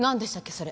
それ。